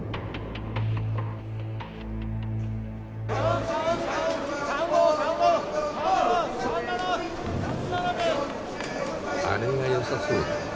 あれがよさそうだね。